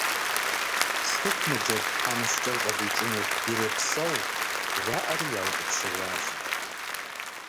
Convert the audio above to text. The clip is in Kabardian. – Сыт мы джэд тхьэмыщкӀэр щӀэдукӀынур, ирепсэу, – жаӀэри яутӀыпщыжащ.